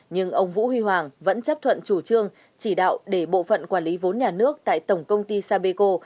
nhưng ông vũ huy hoàng vẫn chấp thuận chủ trương chỉ đạo để bộ phận quản lý vốn nhà nước tại tổng công ty sapeco